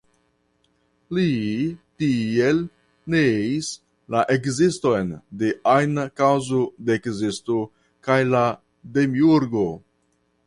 Li tiel neis la ekziston de ajna kaŭzo de ekzisto kaj la demiurgo.